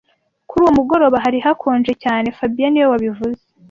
Kuri uwo mugoroba hari hakonje cyane fabien niwe wabivuze